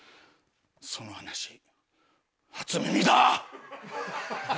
その話初耳だ！